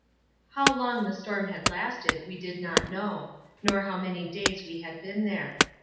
How long the storm had lasted, we did not know, nor how many days we had been there.